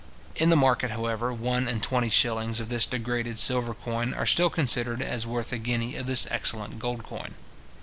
In the market, however, one and twenty shillings of this degraded silver coin are still considered as worth a guinea of this excellent gold coin.